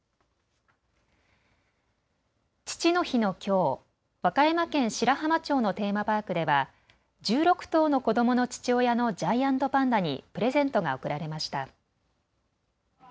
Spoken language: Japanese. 父の日のきょう和歌山県白浜町のテーマパークでは１６頭の子どもの父親のジャイアントパンダにプレゼントが贈られました。